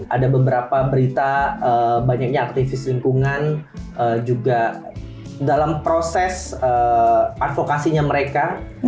ada beberapa berita banyaknya aktivis lingkungan juga dalam proses advokasinya mereka